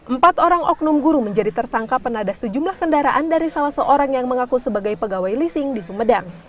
empat orang oknum guru menjadi tersangka penadah sejumlah kendaraan dari salah seorang yang mengaku sebagai pegawai leasing di sumedang